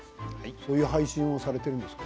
そういう配信をされているんですか？